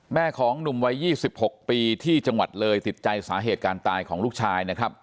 แม่ของหนุ่มวัย๒๖ปีที่จังหวัดเลยติดใจสาเหตุการตายของลูกชายนะครับ